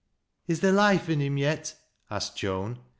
" Is theer loife i' him yet 1 " asked Joan.